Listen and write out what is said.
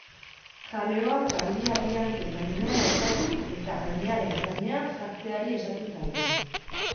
Jaleoa zaldia bi hanken gainean altxatu eta jendearen gainean jartzeari esaten zaio.